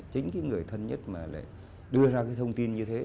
chính cái người thân nhất mà lại đưa ra cái thông tin như thế